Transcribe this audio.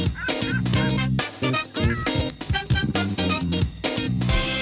พี่หนุ่มต้องร้องเพลงนะคะ